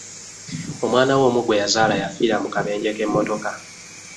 Omwana we omu gwe yazaala yafiira mu kabenje ke mmotoka.